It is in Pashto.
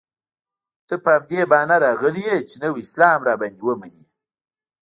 ته په همدې بهانه راغلی یې چې نوی اسلام را باندې ومنې.